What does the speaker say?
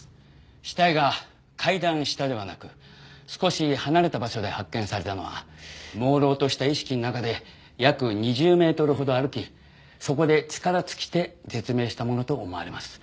死体が階段下ではなく少し離れた場所で発見されたのはもうろうとした意識の中で約２０メートルほど歩きそこで力尽きて絶命したものと思われます。